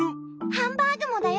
ハンバーグもだよ！